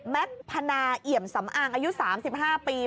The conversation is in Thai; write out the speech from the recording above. แม็กซ์พนาเหยียมสำอางอายุ๓๕ปี